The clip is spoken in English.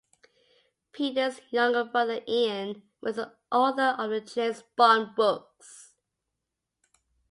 Peter's younger brother Ian was the author of the James Bond books.